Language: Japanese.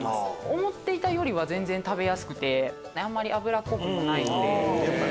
思っていたよりは全然食べやすくてあんまり脂っこくもないので。